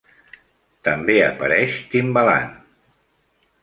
També apareix Timbaland.